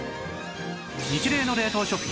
ニチレイの冷凍食品